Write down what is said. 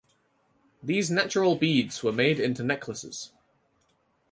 These natural beads were made into necklaces.